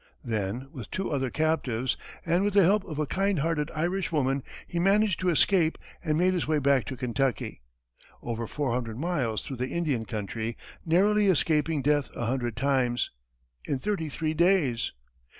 Then, with two other captives, and with the help of a kind hearted Irish woman, he managed to escape, and made his way back to Kentucky over four hundred miles through the Indian country, narrowly escaping death a hundred times in thirty three days.